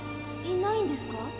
いないんですか？